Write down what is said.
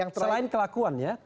selain kelakuan ya